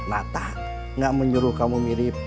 natah gak menyuruh kamu mirip